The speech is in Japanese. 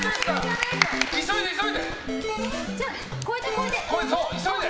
急いで、急いで！